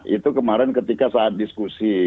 itu kemarin ketika saat diskusi